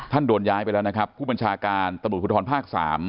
ท่านโดนย้ายไปแล้วนะครับผู้บัญชาการตำรวจสพมนครที่๓